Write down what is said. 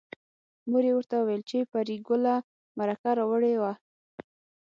مور یې ورته وویل چې پري ګله مرکه راوړې وه